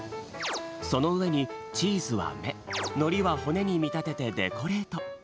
そのうえにチーズはめのりはほねにみたててデコレート。